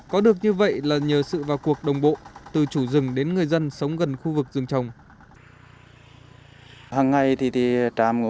có được như vậy là nhờ sự vào cuộc đồng bộ từ chủ rừng đến người dân sống gần khu vực rừng trồng